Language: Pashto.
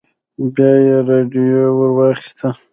بيا يې راډيو ور واخيسته.